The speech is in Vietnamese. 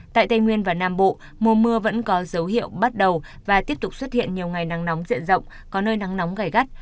tại tây nguyên và nam bộ mùa mưa vẫn có dấu hiệu bắt đầu và tiếp tục xuất hiện nhiều ngày nắng nóng diện rộng có nơi nắng nóng gai gắt